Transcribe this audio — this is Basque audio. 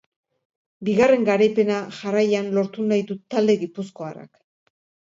Bigarren garaipena jarraian lortu nahi du talde gipuzkoarrak.